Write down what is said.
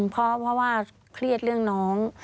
เพราะว่าเครียดเรื่องน้อง